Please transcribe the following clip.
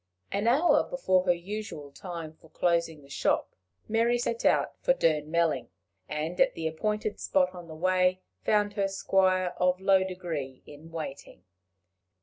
An hour before her usual time for closing the shop, Mary set out for Durnmelling; and, at the appointed spot on the way, found her squire of low degree in waiting.